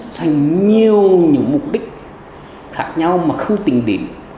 thành nhiều những mục đích khác nhau mà không tỉnh tỉnh